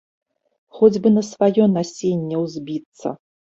Хоць бы на сваё насенне ўзбіцца.